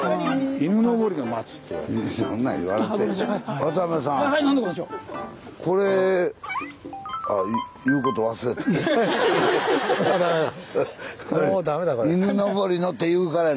「犬登りの」って言うからや。